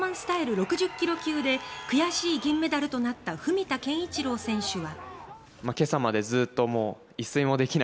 ６０ｋｇ級で悔しい銀メダルとなった文田健一郎選手は。